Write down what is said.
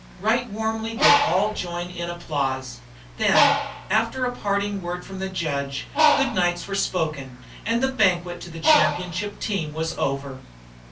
Right warmly did all join in applause. Then, after a parting word from the judge, good nights were spoken, and the banquet to the championship team was over.